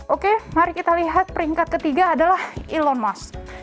oke mari kita lihat peringkat ketiga adalah elon musk